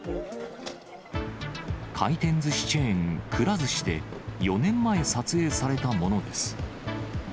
回転ずしチェーン、くら寿司で、４年前、撮影されたものです。